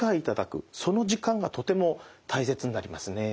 その時間がとても大切になりますね。